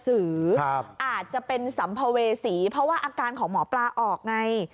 อาจจะเป็นสัมภเวษีเพราะว่าอาการของหมอปลาออกไง